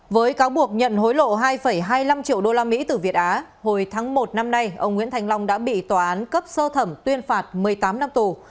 với cáo buộc nhận hối lộ hai hai mươi năm triệu usd từ việt á hồi tháng một năm nay ông nguyễn thành long đã bị tòa án cấp sơ thẩm tuyên phạt một mươi tám năm tù